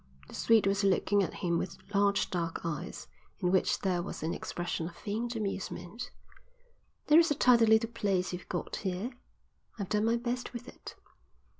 The Swede was looking at him with large dark eyes in which there was an expression of faint amusement. "This is a tidy little place you've got here." "I've done my best with it."